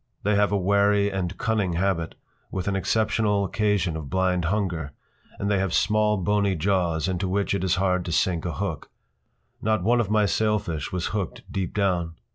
They have a wary and cunning habit, with an exceptional occasion of blind hunger, and they have small, bony jaws into which it is hard to sink a hook. Not one of my sailfish was hooked deep down.